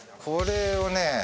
これをね